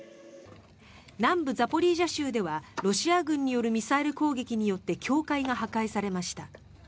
南部ザポリージャ州ではロシア軍によるミサイル攻撃によって教会が破壊されました。